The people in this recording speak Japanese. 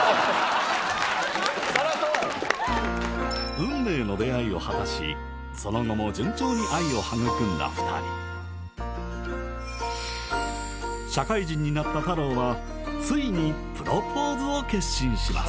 運命の出会いを果たしその後も順調に愛を育んだ２人社会人になった太郎はついにプロポーズを決心します